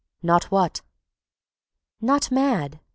"Not what?" "Not mad.